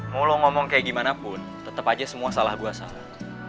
mau lo ngomong kayak gimana pun tetap aja semua salah dua salah